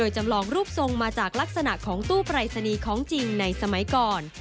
จำลองรูปทรงมาจากลักษณะของตู้ปรายศนีย์ของจริงในสมัยก่อน